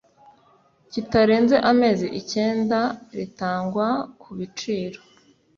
Kitarenze amezi icyenda ritangwa ku biciro